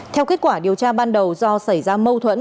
theo kết quả điều tra ban đầu do xảy ra mâu thuẫn